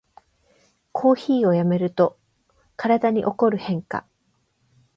コーヒーをやめると体に起こる変化